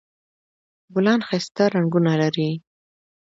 ګلان ښایسته رنګونه لري